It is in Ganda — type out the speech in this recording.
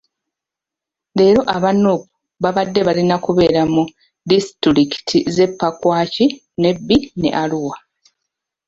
Leero aba Nuupu babadde balina kubeera mu disitulikiti z'e Pakwach, Nebbi ne Arua.